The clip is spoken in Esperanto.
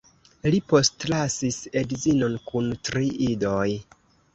Li postlasis edzinon kun tri idoj.